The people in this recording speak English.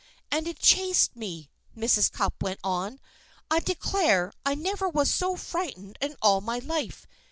"And it chased me!" Mrs. Cupp went on. "I declare, I never was so frightened in all my life!